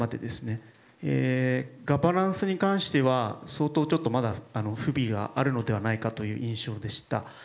ガバナンスに関しては相当不備があるのではないかという印象でした。